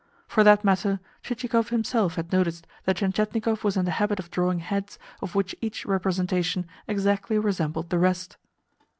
For that matter, Chichikov himself had noticed that Tientietnikov was in the habit of drawing heads of which each representation exactly resembled the rest.